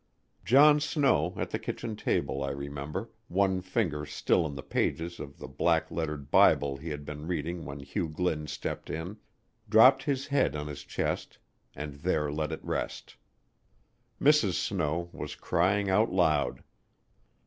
John Snow, at the kitchen table, I remember, one finger still in the pages of the black lettered Bible he had been reading when Hugh Glynn stepped in, dropped his head on his chest and there let it rest. Mrs. Snow was crying out loud.